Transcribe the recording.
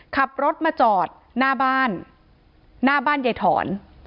ขับรถมาจอดหน้าบ้านหน้าบ้านยายถอน